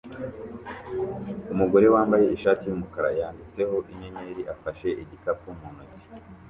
Umugore wambaye ishati yumukara yanditseho inyenyeri afashe igikapu mu ntoki